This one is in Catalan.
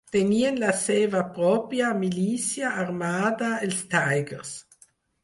Tenien la seva pròpia milícia armada, els Tigers.